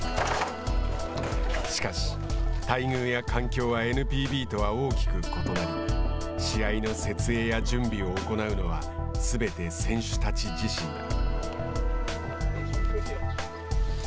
しかし、待遇や環境はＮＰＢとは大きく異なり試合の設営や準備を行うのはすべて選手たち自身だ。